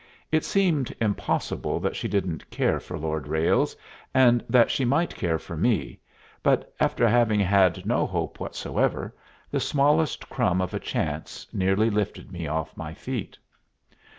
It seemed impossible that she didn't care for Lord Ralles, and that she might care for me; but, after having had no hope whatsoever, the smallest crumb of a chance nearly lifted me off my feet.